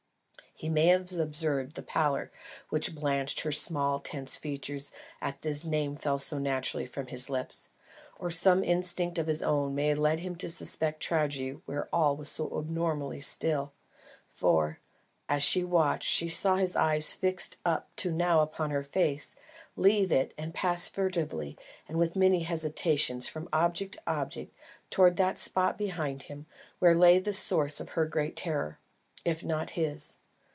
He may have observed the pallor which blanched her small, tense features as this name fell so naturally from his lips, or some instinct of his own may have led him to suspect tragedy where all was so abnormally still, for, as she watched, she saw his eyes, fixed up to now upon her face, leave it and pass furtively and with many hesitations from object to object, towards that spot behind him, where lay the source of her great terror, if not of his.